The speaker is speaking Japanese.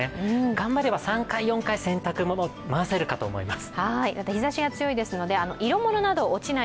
頑張れば３回、４回、洗濯物、回せるかと思います。